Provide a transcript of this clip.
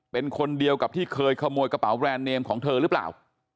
เป็นคนเดียวกับที่เคยขโมยกระเป๋าแบรนด์เนมของเธอหรือเปล่า